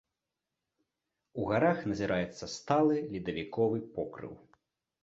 У гарах назіраецца сталы ледавіковы покрыў.